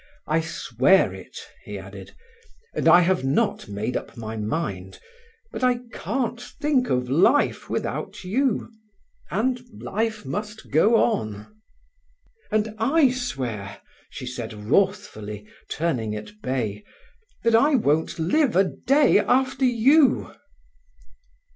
"I swear it," he added. "And I have not made up my mind. But I can't think of life without you—and life must go on." "And I swear," she said wrathfully, turning at bay, "that I won't live a day after you."